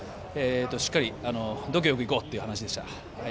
しっかり度胸よくいこうという話でした。